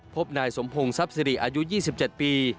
พบนายสมพงศ์ทรัพย์สิริอายุ๒๗ปี